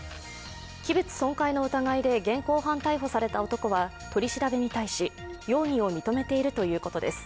器物損壊の疑いで現行犯逮捕された男は取り調べに対し、容疑を認めているということです。